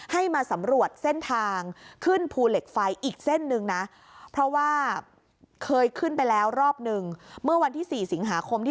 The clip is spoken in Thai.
ให้มาสำรวจเส้นทางขึ้นภูเหล็กไฟอีกเส้นหนึ่งนะเพราะว่าเคยขึ้นไปแล้วรอบหนึ่ง